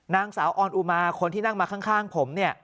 นางสาวออนอุมาคนที่นั่งมาข้างผมเนี่ย